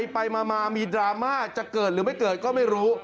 ไปมามีดราม่าจะเกิดหรือไม่เกิดก็ไม่รู้